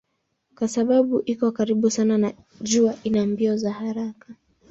Kwa sababu iko karibu sana na jua ina mbio za haraka.